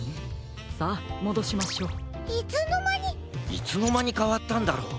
いつのまにかわったんだろう。